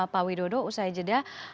pak widodo usai jedah